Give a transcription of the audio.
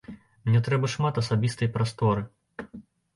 Мне трэба шмат асабістай прасторы.